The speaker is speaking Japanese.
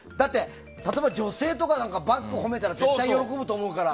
例えば女性はバッグを褒めたら絶対喜ぶと思うから。